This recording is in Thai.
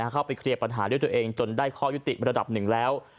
เข้าไปเคลียร์ปัญหาด้วยตัวเองจนได้ข้อยุติระดับหนึ่งแล้ว